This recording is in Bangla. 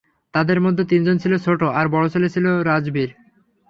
তাদের মধ্যে তিনজন ছিল ছোট, আর বড়ছেলে ছিল রাজবীর।